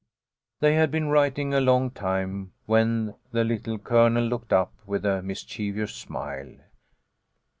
THEY had been writing a long time, when the Little Colonel looked up with a mischievous smile.